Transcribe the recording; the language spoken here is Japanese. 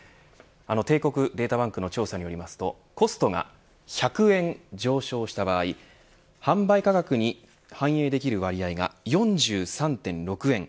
帝国データバンクの調査によりますとコストが１００円上昇した場合販売価格に反映できる割合が４３．６円